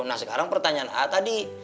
nah sekarang pertanyaan a tadi